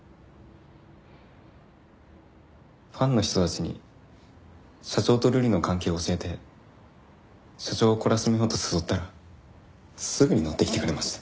ファンの人たちに社長とルリの関係を教えて社長を懲らしめようと誘ったらすぐにのってきてくれました。